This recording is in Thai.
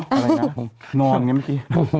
อะไรนะนอนอย่างเงี้ยมันที่